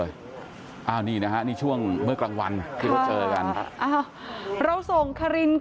กะว่าจะไปให้ถึงเลย